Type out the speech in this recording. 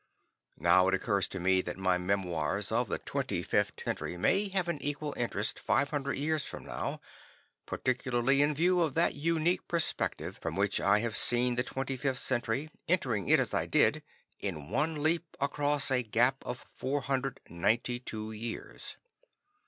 Now it occurs to me that my memoirs of the 25th Century may have an equal interest 500 years from now particularly in view of that unique perspective from which I have seen the 25th Century, entering it as I did, in one leap across a gap of 492 years.